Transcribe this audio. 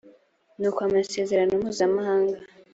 n uko amasezerano mpuzamahanga